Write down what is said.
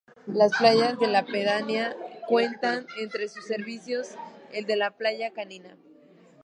Las playas de la pedanía cuentan entre sus servicios, el de la Playa Canina.